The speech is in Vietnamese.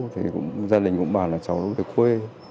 thì gia đình cũng bảo là cháu vũ khuê